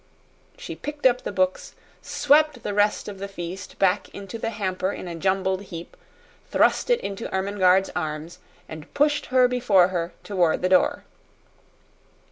She picked up the books, swept the rest of the feast back into the hamper in a jumbled heap, thrust it into Ermengarde's arms, and pushed her before her toward the door.